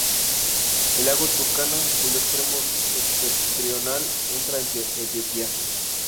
El lago Turkana, cuyo extremo septentrional entra en Etiopía.